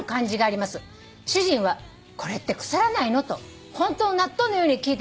「主人はこれって腐らないの？と本当の納豆のように聞いてきました」